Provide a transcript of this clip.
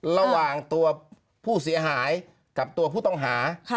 ระหว่างตัวผู้เสียหายกับตัวผู้ต้องหา